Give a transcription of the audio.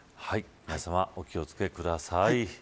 皆さま、お気を付けください。